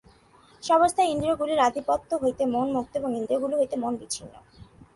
সে-অবস্থায় ইন্দ্রিয়গুলির আধিপত্য হইতে মন মুক্ত এবং ইন্দ্রিয়গুলি হইতে মন বিচ্ছিন্ন।